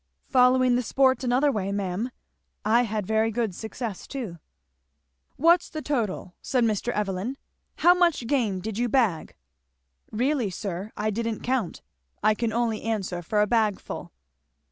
"Following the sport another way, ma'am; I had very good success too." "What's the total?" said Mr. Evelyn. "How much game did you bag?" "Really, sir, I didn't count. I can only answer for a bag full."